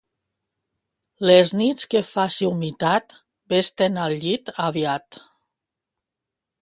Les nits que faci humitat, ves-te'n al llit aviat.